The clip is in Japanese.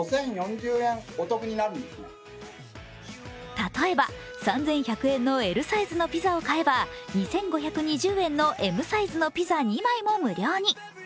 例えば、３１００円のＬサイズのピザを買えば２５２０円のＭサイズのピザ２枚も無料に。